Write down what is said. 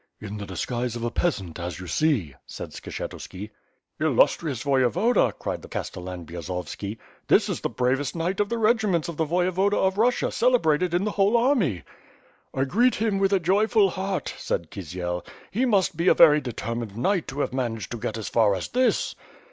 "In the disguise of a peasant as you see," said Skshetuski. "Illustrious Voyevoda," cried the Castellan Bjozovski, "this is the bravest knight of the regiments of the Voyevoda of Russia, celebrated in the whole army." "I greet him with a joyful heart," said Kisiel, *Tie must be a very determined knight to have managed to get as far as this."